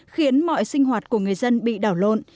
khiến mọi sinh hoạt của người dân bị đảo lộn